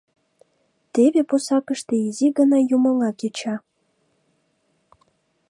Теве пусакыште изи гына юмоҥа кеча.